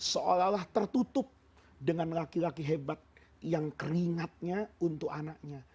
seolah olah tertutup dengan laki laki hebat yang keringatnya untuk anaknya